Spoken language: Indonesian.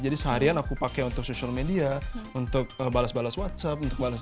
jadi seharian aku pakai untuk social media untuk bales bales whatsapp